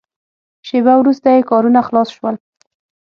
شېبه وروسته یې کارونه خلاص شول.